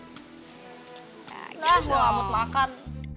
nah gue amat makan